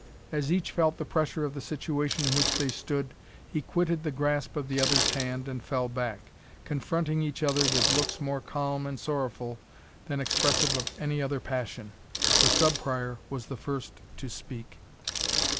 As each felt the pressure of the situation in which they stood, he quitted the grasp of the other's hand, and fell back, confronting each other with looks more calm and sorrowful than expressive of any other passion. The Sub Prior was the first to speak.